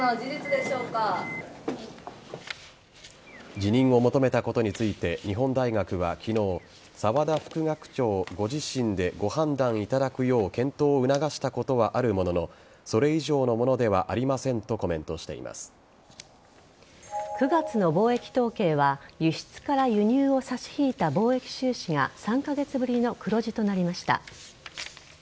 辞任を求めたことについて日本大学は昨日沢田副学長ご自身でご判断いただくよう検討を促したことはあるもののそれ以上のものではありませんと９月の貿易統計は輸出から輸入を差し引いた貿易収支が３カ月ぶりの黒字となりました。